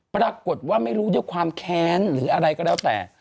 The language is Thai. ปรากฏว่าไม่รู้ด้วยความแค้นหรืออะไรก็แล้วแต่